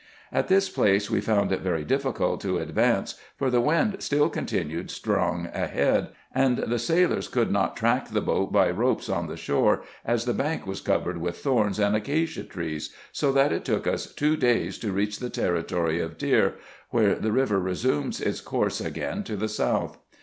At this place we found it very difficult to advance, for the wind still continued strong ahead, and the sailors could not track the boat by ropes on the shore, as the bank was covered with thorns and acacia trees, so that it took us two days to reach the territory of Deir, where the river resumes its course again to the south.